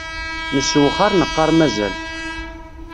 Nessewxar neqqar mazal.